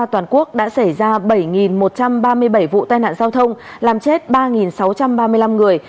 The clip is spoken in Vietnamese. toàn quốc đã xảy ra bảy một trăm ba mươi bảy vụ tai nạn giao thông làm chết ba sáu trăm ba mươi năm người